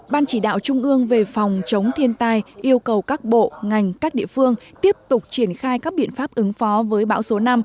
ban chỉ đạo trung ương về phòng chống thiên tai yêu cầu các bộ ngành các địa phương tiếp tục triển khai các biện pháp ứng phó với bão số năm